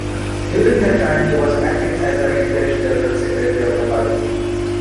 During that time he was acting as the Interim General Secretary of the Party.